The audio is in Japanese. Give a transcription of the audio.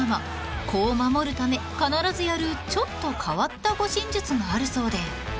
［子を守るため必ずやるちょっと変わった護身術があるそうで］